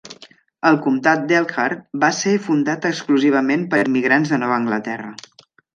El comtat d'Elkhart va ser fundat exclusivament per immigrants de Nova Anglaterra.